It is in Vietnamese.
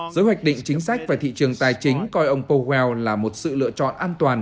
giới hoạch định chính sách và thị trường tài chính coi ông powell là một sự lựa chọn an toàn